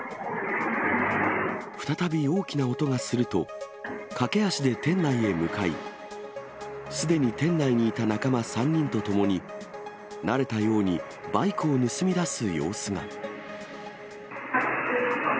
再び大きな音がすると、駆け足で店内へ向かい、すでに店内にいた仲間３人と共に、慣れたようにバイクを盗み出す様子が。